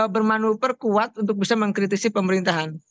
bermanuper kuat untuk bisa mengkritisi pemerintahan